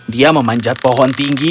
dia memanjat pohon tinggi